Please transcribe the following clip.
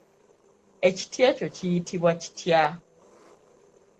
Ekiti ekyo kiyitibwa kitya?